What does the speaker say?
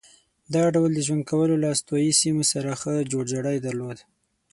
دا ډول د ژوند کولو له استوایي سیمو سره ښه جوړ جاړی درلود.